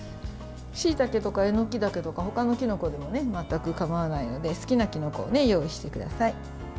しいたけとか、えのきだけとかほかのきのことかでも全く構わないので好きなきのこを用意してください。